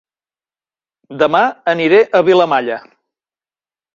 Dema aniré a Vilamalla